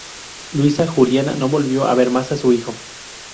Luisa Juliana no volvió a ver más a su hijo.